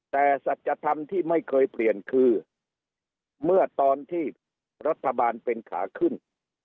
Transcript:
แต่สัจธรรมที่ไม่เคยเปลี่ยนคือเมื่อตอนที่รัฐบาลเป็นขาขึ้น